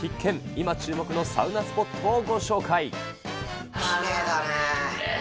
今注目のサウナスポットをご紹介。